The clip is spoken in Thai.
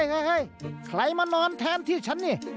ไครมานอนแทนที่ฉันนี้